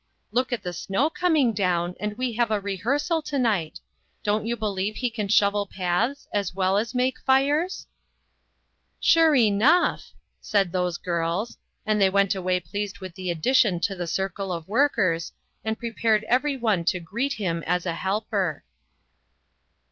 Look at the snow com ing down, and we have a rehearsal to night ; don't you believe he can shovel paths, as well as make fires?" " Sure enough !" said those girls, and they went away pleased with the addition to the circle of workers, and prepared every one to greet him as a helper.